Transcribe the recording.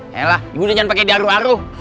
ha ya lah juga jangan pake diaru aru